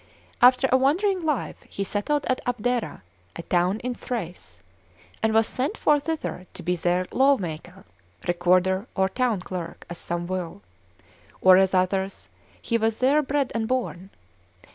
After a wandering life, he settled at Abdera, a town in Thrace, and was sent for thither to be their lawmaker, recorder, or town clerk, as some will; or as others, he was there bred and born.